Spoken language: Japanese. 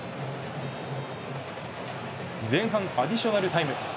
前半アディショナルタイム。